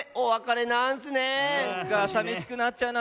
さびしくなっちゃうな。